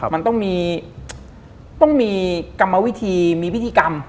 มันต้องมีกรรมวิธีมีพิธีกรรม